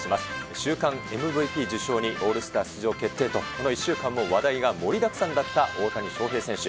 週間ＭＶＰ受賞にオールスター出場決定とこの１週間も話題が盛りだくさんだった大谷翔平選手。